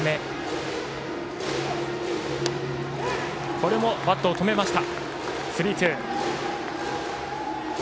これもバットを止めました。